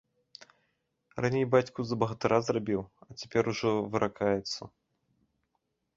Раней бацьку за багатыра зрабіў, а цяпер ужо выракаецца.